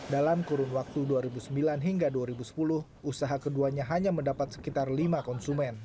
dalam kurun waktu dua ribu sembilan hingga dua ribu sepuluh usaha keduanya hanya mendapat sekitar lima konsumen